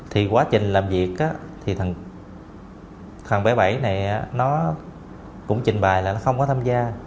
thì quá trình làm việc thì thằng bé bảy này nó cũng trình bày là nó không có tham gia